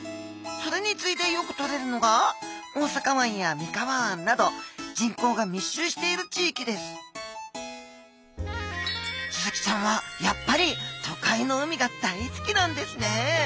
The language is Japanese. それに次いでよく取れるのが大阪湾や三河湾など人口が密集している地域ですスズキちゃんはやっぱり都会の海が大好きなんですね